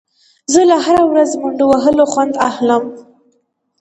زه له هره ورځ منډه وهل خوند اخلم.